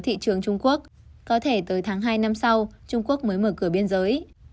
thị trường trung quốc có thể tới tháng hai năm sau trung quốc mới mở cửa biên giới